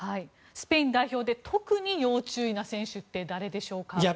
スペイン代表で特に要注意な選手って誰でしょうか。